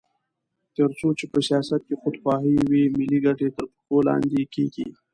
تر څو چې په سیاست کې خودخواهي وي، ملي ګټې تر پښو لاندې کېږي.